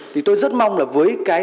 thì tôi rất mong là với cái